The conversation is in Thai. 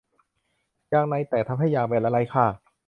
ยางในแตกทำให้ยางแบนและไร้ค่า